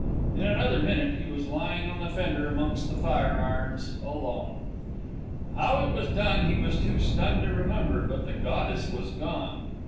In another minute he was lying in the fender amongst the fireirons alone! How it was done he was too stunned to remember; but the goddess was gone.